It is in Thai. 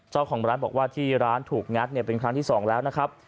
เจ้าของร้านบอกว่าที่ร้านถูกงัดเป็นครั้งที่๒แล้วนะครับ